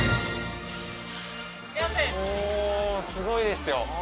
おすごいですよ